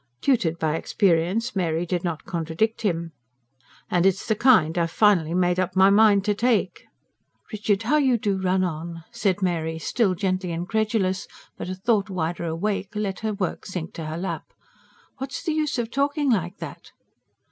Tutored by experience, Mary did not contradict him. "And it's the kind I've finally made up my mind to take." "Richard! How you do run on!" and Mary, still gently incredulous but a thought wider awake, let her work sink to her lap. "What is the use of talking like that?"